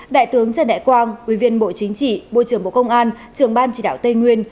đại tướng trần đại quang ủy viên bộ chính trị bộ trưởng bộ công an trưởng ban chỉ đạo tây nguyên